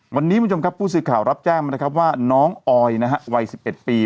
วันนี้คุณผู้ชมครับผู้สื่อข่าวรับแจ้งนะครับว่าน้องออยนะฮะวัย๑๑ปี